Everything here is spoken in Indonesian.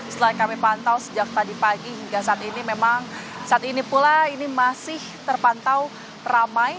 setelah kami pantau sejak tadi pagi hingga saat ini memang saat ini pula ini masih terpantau ramai